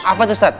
apa tuh ustadz